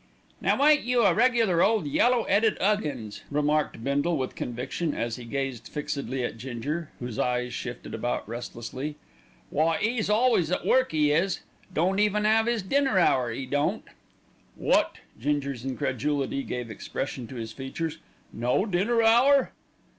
"Now ain't you a regular ole yellow 'eaded 'Uggins," remarked Bindle with conviction, as he gazed fixedly at Ginger, whose eyes shifted about restlessly. "Why, 'e's always at work, 'e is. Don't even 'ave 'is dinner hour, 'e don't." "Wot!" Ginger's incredulity gave expression to his features. "No dinner hour?"